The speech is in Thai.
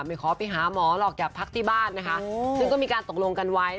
ไม่ขอไปหาหมอหรอกอย่าพักที่บ้านนะคะ